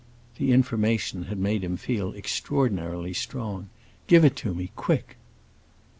This information had made him feel extraordinarily strong. "Give it to me quick!"